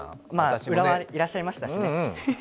まあ、浦和にいらっしゃいましたしね。